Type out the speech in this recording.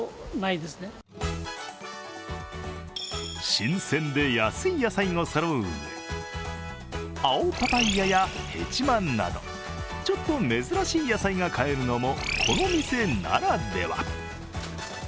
新鮮で安い野菜がそろううえ、青パパイアや、へちまなど、ちょっと珍しい野菜が買えるのもこの店ならでは。